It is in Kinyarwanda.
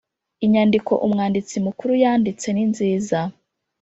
inyandiko Umwanditsi Mukuru yanditse ninziza